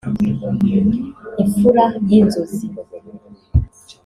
Imfura y'inzozi